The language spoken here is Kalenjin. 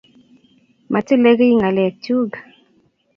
Matile kiy ngalek chug